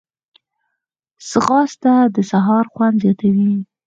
ځغاسته د سهار خوند زیاتوي